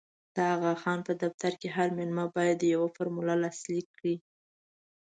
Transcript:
د اغا خان په دفتر کې هر مېلمه باید یوه فورمه لاسلیک کړي.